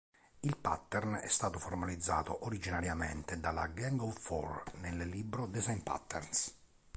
Il pattern è stato formalizzato originariamente dalla Gang of Four nel libro design patterns.